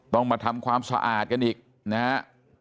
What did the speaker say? ต้องมาทำความสะอาดกันอีกนะฮะ